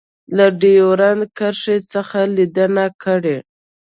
له ډیورنډ کرښې څخه لیدنه کړې